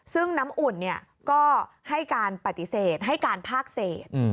ซึ่งน้ำอุ่นก็ให้การปฏิเสธให้การภาคเศษ